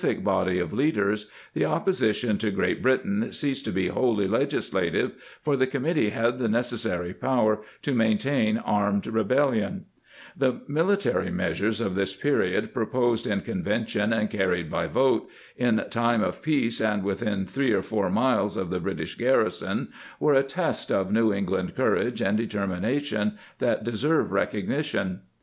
pp. 603, 604. 3 Muddy River Records, p. 248. [ 7] The Private Soldier Under Washington body of leaders, the opposition to Great Britain ceased to be wholly legislative, for the committee had the necessary power to maintain armed re bellion. The military measures of this period, proposed in convention and carried by vote, in time of peace and within three or four miles of the British garrison, were a test of New England courage and determination that deserve recogni tion.